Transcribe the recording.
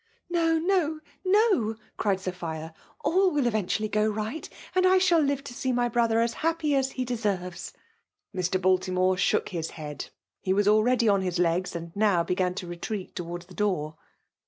'' No, noji no/' eried Sophia. All viH eventuallj go right ; and I shall live to see my brother as happy as he deserves." Mr. Baltimore shook his head. He was already on his legs \ and now began to retreai 4owards the door.